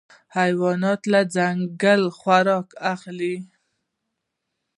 حیوانات له ځنګله خواړه اخلي.